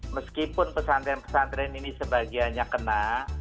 meskipun pesantren pesantren ini sebagiannya kena